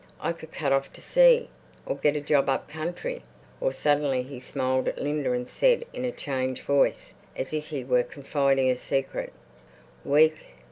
I could cut off to sea, or get a job up country, or—" Suddenly he smiled at Linda and said in a changed voice, as if he were confiding a secret, "Weak...